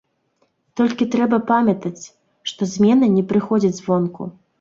Толькі трэба памятаць, што змены не прыходзяць звонку.